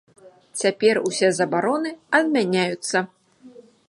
Цяпер усе забароны адмяняюцца.